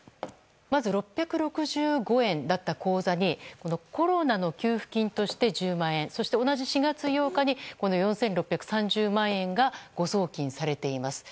まず、６６５円だった口座にコロナの給付金として１０万円そして同じ４月８日に４６３０万円が誤送金されています。